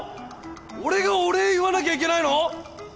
俺がお礼言わなきゃいけないの？